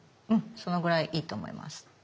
そのぐらいいいと思います。